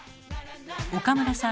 岡村さん